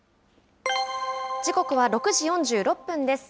時刻は６時４６分です。